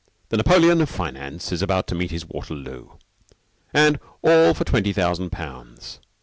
The Napoleon of Finance is about to meet his Waterloo. And all for twenty thousand pounds.